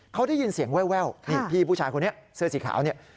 เขาได้ยินเสียงแววนี่พี่ผู้ชายคนนี้เสื้อสีขาวเนี่ย